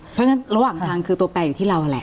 เพราะฉะนั้นระหว่างทางคือตัวแปลอยู่ที่เรานั่นแหละ